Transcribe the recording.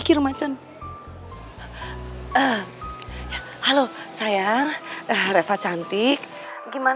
siap lah kesadangan